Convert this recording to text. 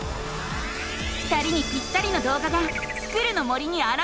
２人にぴったりのどうがが「スクる！の森」にあらわれた！